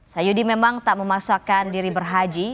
sayudi memang tak memaksakan diri berhaji